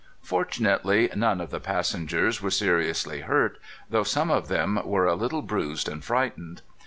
Fortunatel}^ none of the passengers were seriously hurt, though some of them were a little bruised and frightened.